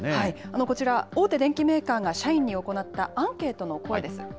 こちら、大手電機メーカーが社員に行ったアンケートの声です。